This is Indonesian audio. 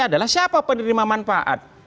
adalah siapa penerima manfaat